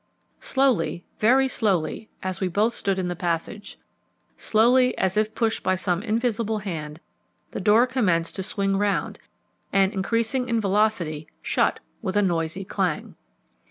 Slowly, very slowly, as we both stood in the passage slowly, as if pushed by some invisible hand, the door commenced to swing round, and, increasing in velocity, shut with a noisy clang.